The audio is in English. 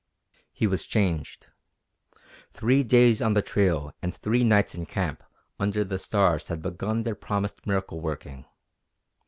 He was changed. Three days on the trail and three nights in camp under the stars had begun their promised miracle working.